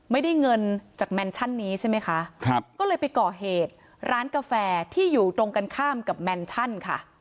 ไม่ได้เงินจากแมนชั่นนี้ใช่ไหมคะครับก็เลยไปก่อเหตุร้านกาแฟที่อยู่ตรงกันข้ามกับแมนชั่นค่ะ